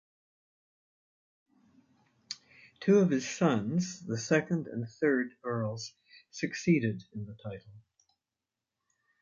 Two of his sons, the second and third Earls, succeeded in the title.